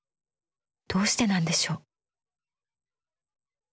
どうしてなんでしょう？